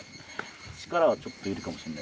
力はちょっといるかもしれないですね。